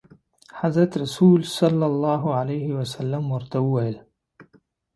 حضرت رسول صلعم ورته وویل.